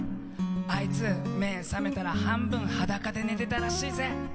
あいつ、目覚めたら半分裸で寝てたらしいぜ。